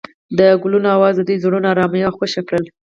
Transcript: د ګلونه اواز د دوی زړونه ارامه او خوښ کړل.